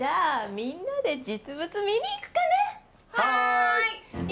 みんなで実物見にいくかねはい！